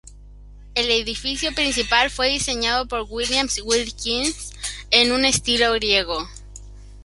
El edificio principal fue diseñado por Williams Wilkins en un estilo Griego.